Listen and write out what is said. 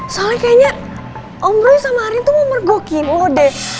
soalnya kayaknya om royo sama arin tuh mau mergoki lo deh